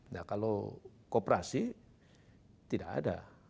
nah kalau kooperasi tidak ada